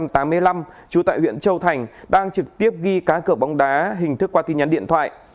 trú tại huyện châu thành đang trực tiếp ghi cá cửa bóng đá hình thức qua tin nhắn điện thoại